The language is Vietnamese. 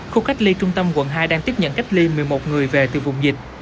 khu cách ly trung tâm quận hai đang tiếp nhận cách ly một mươi một người về từ vùng dịch